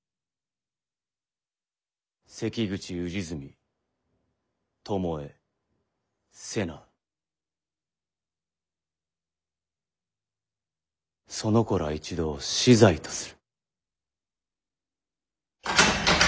関口氏純巴瀬名その子ら一同死罪とする。